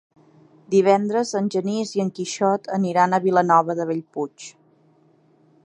Divendres en Genís i en Quixot aniran a Vilanova de Bellpuig.